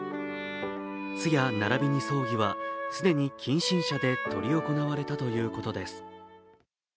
通夜並びに葬儀は既に近親者で執り行われたということです。